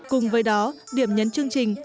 cùng với đó điểm nhấn chương trình